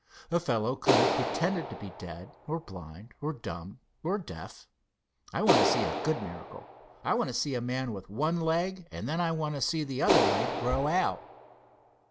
A fellow could have pretended to be dead, or blind, or dumb, or deaf. I want to see a good miracle. I want to see a man with one leg, and then I want to see the other leg grow out.